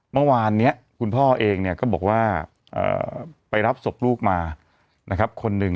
เมื่อวานนี้คุณพ่อเองเนี่ยก็บอกว่าไปรับศพลูกมานะครับคนหนึ่ง